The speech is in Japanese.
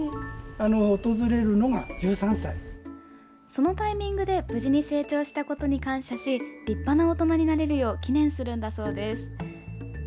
そのタイミングで無事に成長したことに感謝し立派な大人になれるよう祈念するんだそうです。